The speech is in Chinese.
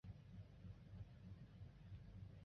丰川稻荷是位在日本爱知县丰川市的曹洞宗寺院。